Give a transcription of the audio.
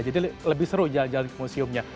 jadi lebih seru jalan jalan ke museumnya